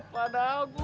padahal gue udah